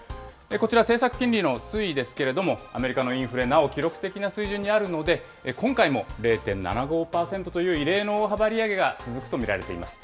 こちら、政策金利の推移ですけれども、アメリカのインフレ、なお記録的な水準にあるので、今回も０．７５％という異例の大幅利上げが続くと見られています。